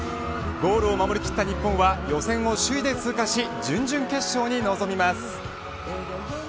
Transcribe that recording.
ゴールを守りきった日本は予選を首位で通過し準々決勝に臨みます。